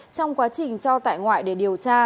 trong quá trình cho tại ngoại để điều tra